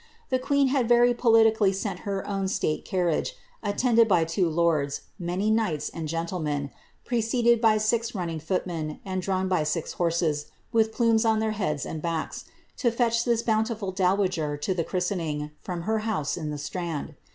The queen had very Hnlly sent her own state carriage, attended by two lords, many His and gentlemen, preceded by six running footmen, and drawn by Chorses with plumes on their hetLdn and backs, to fetch this bountiftil winger to the christening, from her house in the Strand.